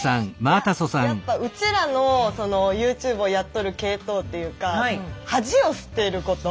いややっぱうちらのＹｏｕＴｕｂｅをやっとる系統っていうか恥を捨てること。